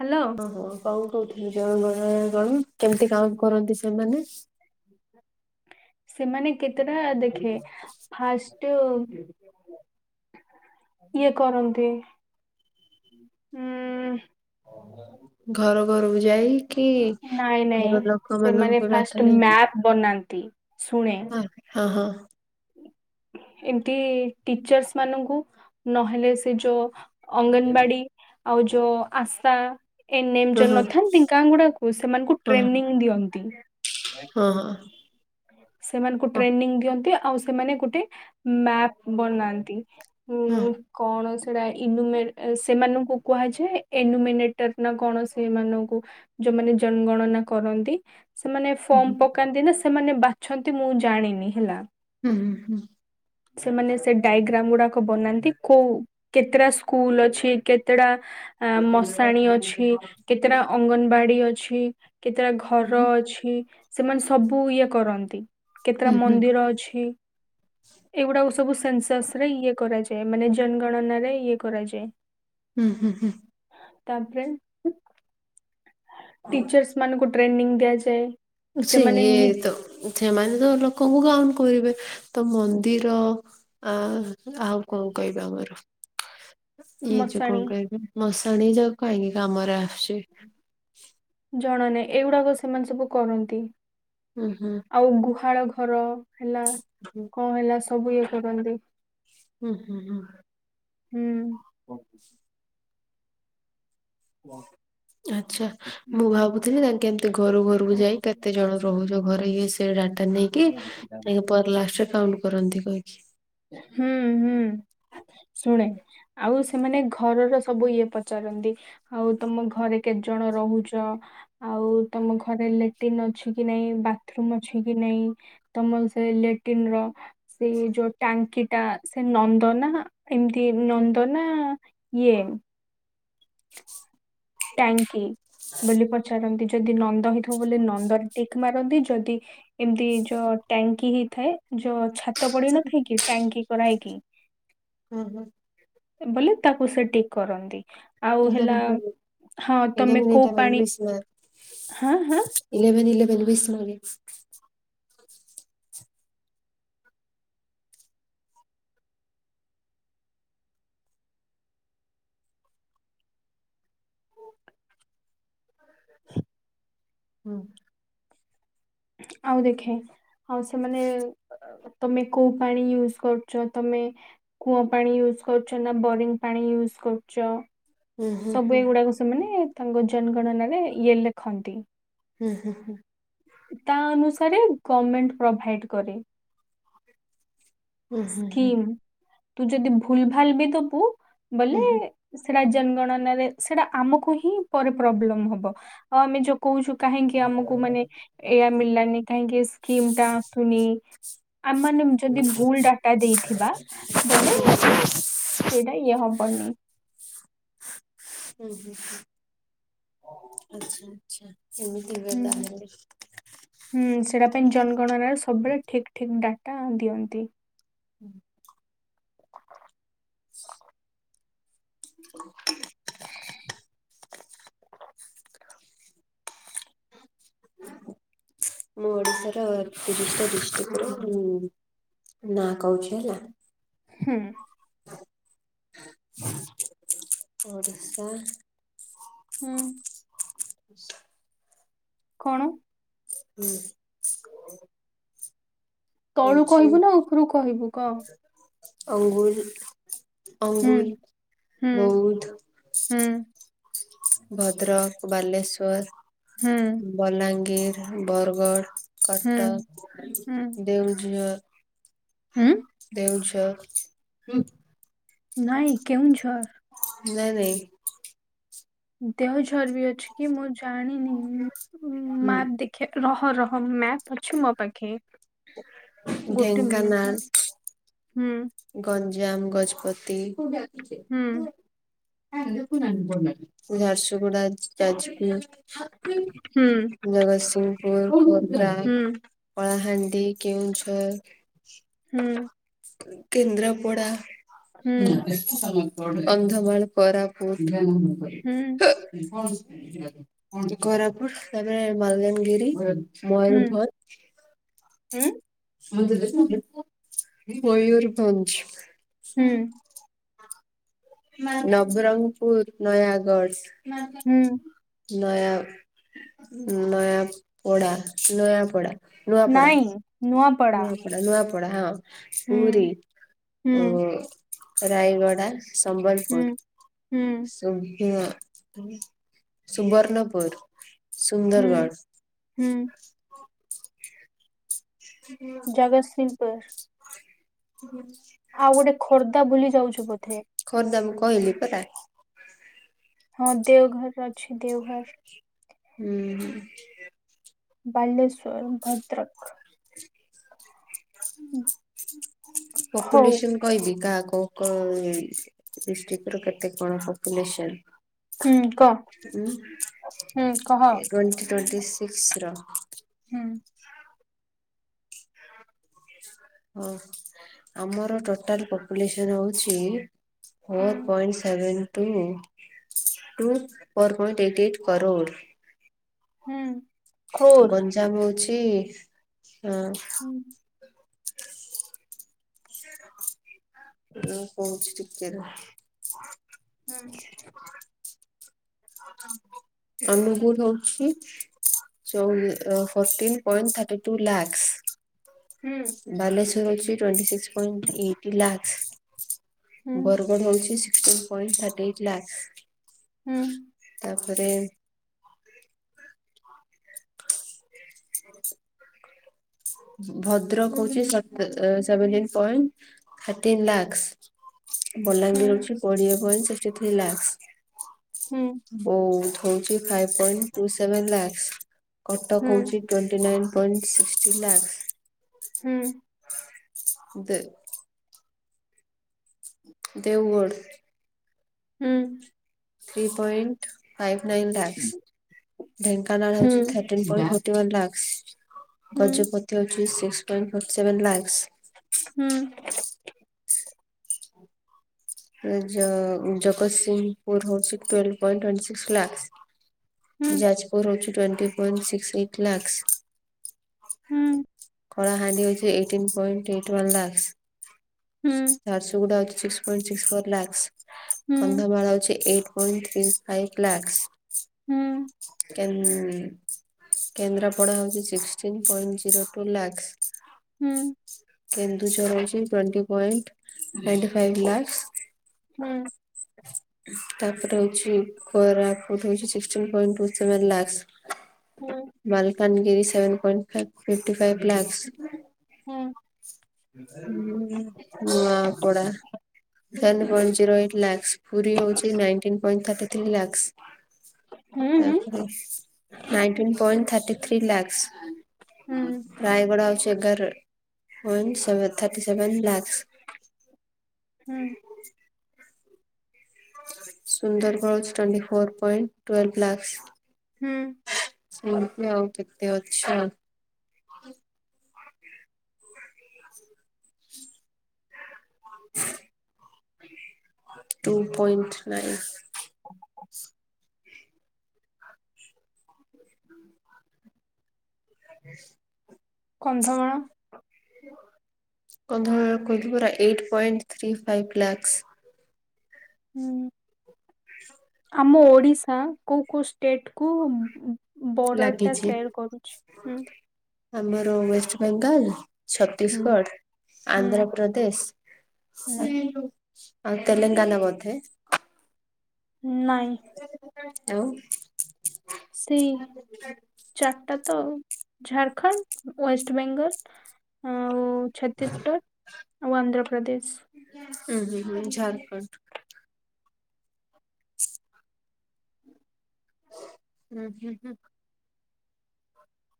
Hello. ଓହୋ କଣ କହୁଥିଲି ଜନ ଗଣନା କଣ କେମିତି କାମ କରନ୍ତି ସେମାନେ। ସେମାନେ କେତେଟା ଦେଖେ ଫାର୍ଷ୍ଟ। ଇଏ କରନ୍ତି ଉଁ। ଘର ଘରକୁ ଯାଇ। କି ନାଇଁ ନାଇଁ ଘର ଲୋକ ସେମାନେ ମାନଙ୍କର ଫାଷ୍ଟ ଡାଟା ଇଏ। ମ୍ୟାପ ବନାନ୍ତି ଶୁଣେ ହଁ ହଁ ହଁ। ଏମିତି ଟିଚର୍ସ ମାନଙ୍କୁ ନହେଲେ ସେ ଯୋଉ। ଅଙ୍ଗନବାଡି ଆଉ ଯୋଉ ଆସା। ଏନ୍ ଏମ ଯୋଉ ନ ଥାନ୍ତି ଗାଁ ଗୁଡାକୁ ସେମାନଙ୍କୁ ହଁ ଟ୍ରେନିଂ ଦିଅନ୍ତି। ହଁ ହଁ। ସେମାନଙ୍କୁ ହଁ ଟ୍ରେନିଂ ଦିଅନ୍ତି ଆଉ ସେମାନେ ଗୋଟେ ମ୍ୟାପ୍ ବନାନ୍ତି। ହଁ ହୁଁ କଣ ସେଟା ଇନୁମେ ସେମାନଙ୍କୁ କୁହାଯାଏ ଏନୁମେନେଟର୍ ନା କଣ ସେମାନଙ୍କୁ ଜ ଯୋଉମାନେ ଜନଗଣନା କରନ୍ତି। ସେମାନେ ଫର୍ମ ପକାନ୍ତି ନା ସେମାନେ ବାଛନ୍ତି ମୁଁ ଜାଣିନି ହେଲା। ହୁଁ ହୁଁ ହୁଁ। ସେମାନେ ସେ ଡାଇଗ୍ରାମ ଗୁଡାକ ବନାନ୍ତି କୋଉ କେତେଟା ସ୍କୁଲ ଅଛି କେତେଟା। ଆ ମଶାଣି ଅଛି କେତେଟା ଅଙ୍ଗନବାଡି ଅଛି। କେତେଟା ଘର ହୁଁ ଅଛି ସେମାନେ ସବୁ ଇଏ କରନ୍ତି। କେତେଟା ହୁଁ ମନ୍ଦିର ଅଛି। ଏଇଗୁଡାକ ସବୁ ସେନ୍ସସସ ରେ ଇଏ କରାଯାଏ ମାନେ ଜନଗଣନା ରେ ଇଏ କରାଯାଏ। ହୁଁ ହୁଁ ହୁଁ। ତାପରେ। ଟିଚର୍ସ ମାନଙ୍କୁ ଟ୍ରେନିଂ ଦିଆଯାଏ। ଆଚ୍ଛା ସେମାନେ ଇଏ ନି ତ ସେମାନେ ତ ଲୋକ ଙ୍କୁ ଗାଁ କରିବେ ତ ମନ୍ଦିର ଆ ଆଉ କଣ କହିବେ ଆମର। ଏଇ ଯେ ମଶାଣି କଣ କହିବେ ମସାଣି ଯାଉ କାହିଁକି କାମରେ ଆସୁଛି। ଜଣା ନାହିଁ ଏଇଗୁଡାକ ସେମାନେ ସବୁ କରନ୍ତି ହୁଁ ହୁଁ ଆଉ ଗୁହାଳ ଘର। ହେଲା ହୁଁ କଣ ହେଲା ସବୁ ଇଏ କରନ୍ତି। ହୁଁ ହୁଁ ହୁଁ। ହୁଁ। ଆଚ୍ଛା ମୁଁ ଭାବୁଥିଲି ତା ଘରୁ ଘରକୁ ଯାଇ କେତେ ଜଣ ରହୁଛ ଘରେ ଇଏ ସେ ଡାଟା ନେଇକି ତାଙ୍କେ ପରେ ଲାଷ୍ଟରେ କାଉଣ୍ଟ କରନ୍ତି କହିକି। ହୁଁ ହୁଁ। ଶୁଣେ ଆଉ ସେମାନେ ଘରର ସବୁ ଇଏ ପଚାରନ୍ତି ଆଉ ତମ ଘରେ କେ କେତ ଜଣ ରହୁଚ଼ ଆଉ ତମ ଘରେ ଲେଟିନ୍ ଅଛି କି ନାଇଁ ବାଥରୁମ ଅଛି କି ନେ ଇଁ ତମ ସେ ଲେଟିନ୍ ର ସେ ଯୋ ଟାଙ୍କି ଟା ସେ ନନ୍ଦ ନା ଏମିତି ନନ୍ଦ ନା ଇଏ। [inaudible] ଟାଙ୍କି ବୋଲି ପଚାରନ୍ତି ଯ ଯଦି ନନ୍ଦ ହେଇଥିବ ବୋଲି ନନ୍ଦରେ ଟିକ ମାରନ୍ତି ଯଦି ଏମିତି ଏମତି ଜ ଟାଙ୍କି ହେଇଥାଏ। ଯୋ ଛାତ ପଡି ନଥାଏ କିି ଟାଙ୍କି କରାହେଇକି। ହୁଁ ହୁଁ ବଲେ ତାକୁ ସେ ଟିକ୍ କରନ୍ତି ଆଉ ହେଲା। ହଁ ଏଇଟା ତମେ କୁ କୋଉ ଏଇଟା କରିବୁ ପାଣି ହଁ ହଁ ବିଶମାଗ ଇଲେଭେ we are very very sorry. ହଁ। ଆଉ ଦେଖେ। ହଉ ସେମାନେ ତମେ କୋଉ ପାଣି ୟୁଜ କରୁଚ଼ ତମେ କୂଁଅ ପାଣି ୟୁ ଜ୍ କରୁଛ ନା ବୋରିଙ୍ଗ ପାଣି ୟୁଜ କରୁଚ଼? ହୁଁ ହୁଁ ସବୁ ହୁଁ ଏଗୁଡାକୁ ସେମାନେ ତାଙ୍କ ଜନଗଣନା ରେ ଇଏ ଲେଖନ୍ତି। ହୁଁ ହୁଁ ହୁଁ। ତା ଅନୁସାରେ ଗମେଣ୍ଟ ପ୍ରଭାଇଡ କରେ। ଉୁଁ ହୁଁ ହୁଁ। ସ୍କିମ୍ ତୁ ଯଦି ଭୁଲ ଭାଲ ବି ଦବୁ ବଲେ ହୁଁ ହୁଁ ସେ ସେଟା ଜନଗଣନରେ ସେଟା ଆମକୁ ହିଁ ପରେ ପ୍ରବ୍ଲମ ହବ ଆ ଆମେ ଯୋଉ କହୁଛୁ କାହିଁକି ଆମକୁ ମାନେ ଏଆ ମିଲ୍ଲାନି କାହିଁକି ସ୍କିମ ଟା ଶୁନି ଆ ମାନେ ଯୋ [inaudible] ଟା ଦେଇଥିବା ବଲେ ହୁଁ ହୁଁ ସେଇଟା ଇଏ ହବନି। [inaudible] ଉୁଁ ହୁଁ [inaudible] ଆଚ୍ଛା ଆଚ୍ଛା ଏମିତି ହୁଏ ହୁଁ ତାହେଲେ। ହୁଁ ସେଟା ପାଇଁ ଜନଗଣନାର ସବୁ ବେଳେ ଠିକ୍ ଠିକ୍ ଡାଟା ଦିଅନ୍ତି। [inaudible] [inaudible] [inaudible] ମୁଁ ଓଡିଶାର ତିରିଶ୍ ଟା ଡିଷ୍ଟିକ୍ ରୁ ନା କହୁଚ଼ି ହେଲା। ହୁଁ। [inaudible] ଓଡ଼ିଶା। ହୁଁ। [inaudible] ଶା। କଣ? ଉୁଁ [inaudible] ତଳୁ କହିବୁ ନା ଓପୁରୁ କହିବୁ କ? ଅଙ୍ଗୁଲ, ହୁଁ ଅଙ୍ଗୁଲ, ହୁଁ ବଉଦ୍ଧ। ହୁଁ ଭଦ୍ରକ, ବାଲେଶ୍ଵର, ହୁଁ ବଲାଙ୍ଗୀର। ବରଗଡ଼, ହୁଁ କଟକ, ହୁଁ ଦେଉଝର। ହୁଁ ଦେଉଝର ଉଁଃ। ନାଇଁ କେଉଁଝର। ନାଇଁ ନାଇଁ। ଦେଉଝର୍ ବି ଅଛି କି ମୁଁ ଜାଣିନି ଉଁ ଉଁ ମାତ୍ ହୁଁ ଦେଖିଆ। ରହ ରହ ମ୍ୟାପ୍ ଅଛି ମୋ ପାଖେ। ଗୋଟେ ମିନିଟ ଢେଙ୍କାନାଳ ର। ହୁଁ। ଗଞ୍ଜାମ, ଗଜପତି। ହୁଁ। ଝାରୁସୁଗୁଡା ଯାଜପୁର। ହୁଁ ଜଗତସିଂହପୁର ଖୋର୍ଦ୍ଧା ହୁଁ କଳାହାଣ୍ଡି। ଦେ କେଉଁଝର। ହୁଁ କେନ୍ଦ୍ରାପଡା ହୁଁ କନ୍ଧମାଳ କୋରାପୁଟ। ହୁଁ [inaudible] କୋରାପୁଟ ତାପରେ ମାଲଗାନଗିରି। ହୁଁ ହୁଁ ମୟୂରଭଞ୍ଜ। ମୟୂୁରଭଞ୍ଜ। ହୁଁ ନବରଙ୍ଗପୁର ନୟାଗଡ। ହୁଁ। ନୟା ନୟା ପଡା ନୟା ପଡା। ନାଇଁ ନୂଆ ନୂଆପଡା ନୂଆପଡା ହଁ ପୁରୀ ହୁଁ ଓ ରାୟଗଡା ହୁଁ ସମ୍ବଲପୁର ହୁଁ ସୁଭି ସୁବର୍ଣ୍ଣପୁର। ହୁଁ ସୁନ୍ଦରଗଡ଼। ହୁଁ ଜଗତସିଂହପୁର। ହୁଁ ଆଉ ଗୋଟେ ଖୋର୍ଦ୍ଧା ଭୁଲି ଯାଉଛୁ ବୋ ଖୋର୍ଦ୍ଧା ମୁଁ କହିଲି ପରା। ହଁ ଦେଓଘର ଅଛି ଦେଓଘର। ହୁଁ। ବାଲେଶ୍ୱର ଭଦ୍ରକ। ହଉ ପପୁଲେସନ କହିବି କାହାକୁ କୋଉ କୋଉ ଡିଷ୍ଟ୍ରିକ ର କେତେ କଣ ପପୁଲେସନ? ହୁଁ କହ ଉ ହୁଁ କହ ଏ ଗ ଟୋଣ୍ଟି ଟୋଣ୍ଟି ବି ସିକ୍ସ ର ହୁଁ ଓ ଆମର ଟୋଟାଲ ପପୁଲେସନ ହଉଛି - ହୁଁ four point seven two two ପର ପଏଣ୍ଟ ଏଇଟ୍ ଏଇଟ କରୋଡ଼। ହୁଁ। କ୍ରୋର୍ ଗଞ୍ଜାମ ହଉଛି ଅ ହୁଁ ଏ କହୁଛି ଟିକେ ରୁହ। ତମକୁ ଦଉଛି। ଯୋଉ fourteen point thirty two lakhs. ହୁଁ ବାଲେଶ୍ଵର ହଉଛି ଟ୍ୱେଣ୍ଟି ସିକ୍ସ ପଣ୍ଟ ଏଇଟି ହୁଁ ଲାକ୍ସ। ବର୍ଗ ହଉଛି ସିକ୍ଟିଁ ପଏଂଟ ଥାର୍ଟି ଏଇଟ୍ ହୁଁ ଲାଖସ। ତାପରେ ଆ ଭଦ୍ରକ ହଉଛି ସତ seventy point thirteen lakhs. Balangir ହୁଁ ହଉଚି କୋଡ଼ିଏ ପଏଣ୍ଟ ସିକ୍ସଟି ଥ୍ରୀ ହୁଁ ଲାକ୍ସ। ବୌଦ ହଉଛି five point two seven lakhs. ହୁଁ କଟକ ହୁଁ ହଉଛି ନାଇ ପଣ୍ଟ ସିକଟି ହୁଁ ଲାଖସ ଦେ ଦେଓଗଡ଼ ହୁଁ। Three point five nine lakh Dhenkanal ହୁଁ ହଉଛି ହୁଁ ଥାଟିଁନ୍ ପଏଂଟ ଥା ୱାନ ଲାଖ୍ ହୁଁ ଗଜପତି ହଉଛି six point forty seven lakh. ହୁଁ। ଜ ଜଗତସିଂହପୁର ହଉଛି twelve point twenty six lakhs. Jajpur ହଉଛି twenty point six eight lakhs. Kalahandi ହଉଛି eighteen point twenty one lakhs. Jharsuguda ଅଛି six point six four lakhs Kandhamal ଅଛି ଏ ଏଇଟ ପଏଂଟ ଫାଇଭ ଲାକ୍ସ୍। ହୁଁ। କେ କେନ୍ଦ୍ରାପଡା ହଉଛି ସିକ୍ସଟିନ ପଏଣ୍ଟ ଜିରୋଟୁ ଲାକ୍ସ। ହୁଁ। କେନ୍ଦୁଝର ରହିଛି twenty point twenty five lakhs. ହୁଁ। ତାପରେ ହଉଛି କୋରାପୁଟ ହଉଚି sixteen point two seven lakhs. Malkangiri seven point five fifty five lakhs. ହୁଁ। ହ ହଁ Nuapada ten point zero eight lakhs Puri ହଉଛି nineteen point thirty three lakhs. ତାପ nineteen point thirty three lakhs. Rayagada ହଉଚି ଏଗାର ପଏଣ୍ଟ ସେ ଥାର୍ଟି ସେଭେନ୍ ଲାକ୍ସ। ହୁଁ। ସୁନ୍ଦରଗଡ଼ଜ twenty four point twelve lakhs. ହୁଁ। ସେମିତି ଆଉ କେତ ଅଛି ଆଉ ଟୁ ପଏଣ୍ଟ ନାଇନ୍ [unintelligible] [unintelligible] କନ୍ଧମାଳ? କନ୍ଧମାଳର କହିଲି ପରା eight point three five lakhs. ହୁଁ। [unintelligible] ଆମ ଓଡ଼ିଶା କେଉଁ କେଉଁ ଷ୍ଟେଟକୁ ବରର ଟା ଲାଗିଛି ସେଟ କରୁଛି ହୁଁ? ଆମର ୱେଷ୍ଟ ବେଙ୍ଗାଲ। ହୁଁ ଛତିଶଗଡ଼ ହୁଁ ଆନ୍ଧ୍ରପ୍ରଦେଶ ହୁଁ ସେ ଆଉ ତେଲଙ୍ଗାନା ବୋଧେ? ନାହିଁ। ଆଉ? ସେଇ ଚାରିଟା ତ। ଝାଡ଼ଖଣ୍ଡ ୱଏେଷ୍ଟ ବେଙ୍ଗଲ ଆଉ ଛତିଶଗଡ଼ ଆଉ ଆନ୍ଧ୍ରପ୍ରଦେଶ। ହୁଁ ହୁଁ ହୁଁ ଝାରଖଣ୍ଡ। ହୁଁ ହୁଁ ହୁଁ।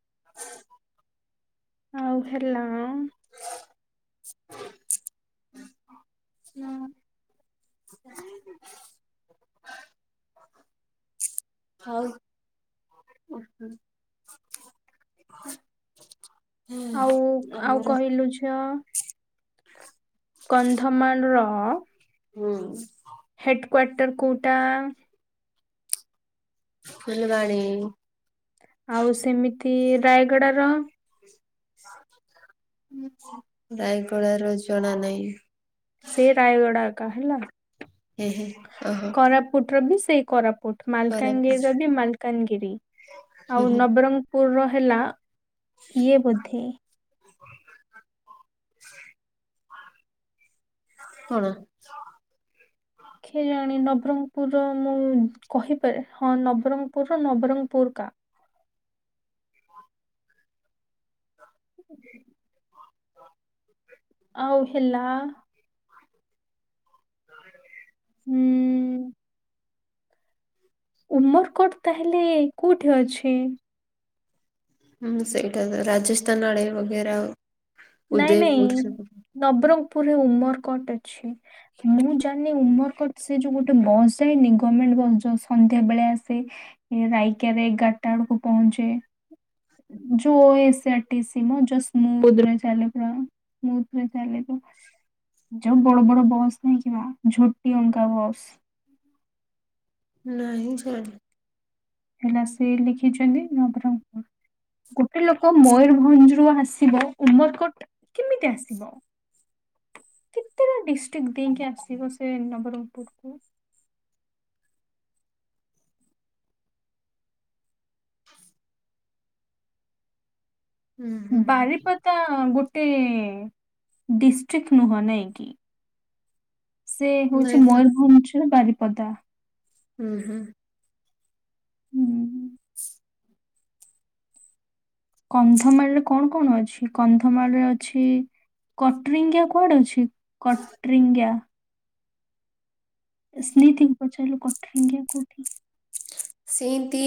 [unintelligible] ଆଉ ହେଲା ହୁଁ। ହଉ। ଓ ହୋ ହୁଁ ଆଉ ଆଉ ଆମର କହିଲୁ ଝିଅ? କନ୍ଧମାଳର ହୁଁ ହେଡ଼ କ୍ଵାର୍ଟର କଉଟା? ଫୁଲବାଣୀ। ଆଉ ସେମିତି ରାୟଗଡ଼ା ର? ରାୟଗଡ ର ଜଣା ନାହିଁ ସେ ରାୟଗଡା ଏକା ହେଲା। ଏହେ ଓହୋ। କୋରାପୁଟ ର ବି ସେଇ କୋରାପୁଟ ମାଲକାନଗିରିର କୋରାପୁଟ ବି ମାଲକାନଗିରି ହୁଁ ଆଉ ହୁଁ ନବରଙ୍ଗର ପୁର ର ହେଲା ଇଏ ବୋଧେ କଣ? କେ ଜାଣି ନବରଙ୍ଗପୁର ମୁଁ କହିପାରେ ହଁ ନବରଙ୍ଗପୁର ନବରଙ୍ଗପୁର। କା। [inaudible] ହ [inaudible] ଆଉ ହେଲା। ହ [inaudible] ଉମ୍ ଉମରକୋଟ ତା ହେଲେ କୋଉଠି ଅଛି? ହୁଁ ସେଇଟା ତ ରାଜସ୍ଥାନ ଆଡେ ବଗେର। ନାଇଁ ନାଇଁ ନବରଙ୍ଗ। ପୁର ରେ ଉମରକୋଟ ଅଛି ମୁଁ ଜାଣିନି ଉମର କୋଟ ସେ ଯୋଉ ଗୋଟେ ବସ ଯାଇନି ଗମେଣ୍ଟ। ବସ ଯୋଉ ସନ୍ଧ୍ୟା ବେଳେ ଆସେ ରାଇକା ରେ ଏଗାରଟା ଆଡକୁ ପହଞ୍ଚେ। ଯୋ ଓ ଏସ ଆର ଟି ସିି ମ ଯ ସ୍ମୁଦ ରା ଚାଲେ ପୁରା ସ୍ମିଥ୍ ଲି ଚାଲେ ପ ଯୋଉ ବଡ ବଡ ବସ୍ ନାଇଁ କି ବା ଝୋଟି ଅଙ୍କା ବସ୍। ନାହିଁ ଜାଣିନି। ହେଲା ସେ ଲେଖିଛନ୍ତି ନବରଙ୍ଗପୁର। ଗୋଟେ ଲୋକ ମୟରଭଞ୍ଜ ରୁ ଆସିବ ଉମରକୋଟ କେମିତି ଆସିବ? [inaudible] କେତେଟା ଡିଷ୍ଟ୍ରିକ ଦେଇକି ଆସିବ ସେ ନବରଙ୍ଗପୁର କୁ? [inaudible] ହୁଁ ହୁଁ ହୁଁ ବାରିପଦା ଗୋ ଟେ ଡିଷ୍ଟ୍ରିକ୍ ନୁହଁ ନାଇଁକି? ସେ ନାଇଁ ହଉଛି ତ ମୟୂରଭଞ୍ଜ ର ବାରିପଦା। ହୁଁ ହୁଁ। ହୁଁ। କନ୍ଧମାଳରେ କଣ କଣ ଅଛି କନ୍ଧମାଳରେ ଅଛି। କଟ୍ରିଙ୍ଗୀଆ କୁଆଡେ ଅଛି କଟ୍ରିଙ୍ଗୀଆ। ଏ ସ୍ଲି ଥିଙ୍ଗ ପଚାରିଲୁ କଟରଙ୍ଗିଆ କୋଉଠି। ସେଇତି।